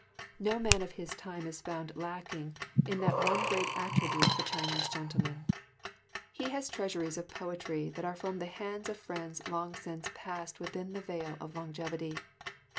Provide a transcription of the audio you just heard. No man of his time is found lacking in that one great attribute of a Chinese gentleman. He has treasures of poetry that are from the hands of friends long since passed within the Vale of Longevity.